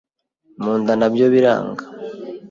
Mu nda na byo biranga ,